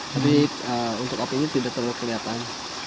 jadi untuk api ini tidak terlalu kelihatan